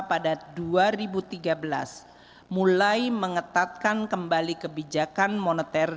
pada dua ribu tiga belas mulai mengetatkan kembali kebijakan moneter